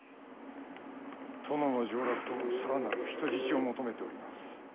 殿の上洛と更なる人質を求めております。